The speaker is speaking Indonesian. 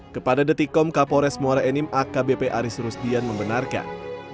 kepada detikom kapolres muara enim akbp aris rusdian membenarkan